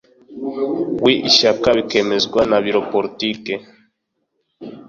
w ishyaka bikemezwa na biro politiki